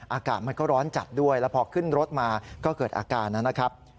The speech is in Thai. อากาศมันก็ร้อนจัดด้วยแล้วพอขึ้นรถมาก็เกิดอาการนะครับ